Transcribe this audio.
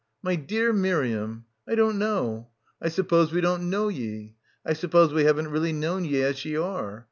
"My dear Miriam! I don't know. I suppose we don't know ye. I suppose we haven't really known ye as ye are.